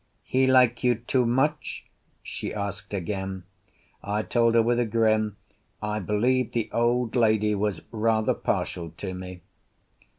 "He like you too much?" she asked again. I told her, with a grin, I believed the old lady was rather partial to me.